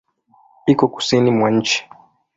Iko kusini mwa nchi.